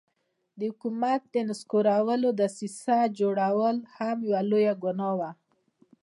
د حکومت د نسکورولو دسیسه جوړول هم لویه ګناه وه.